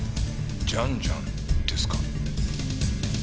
ジャンジャンですか？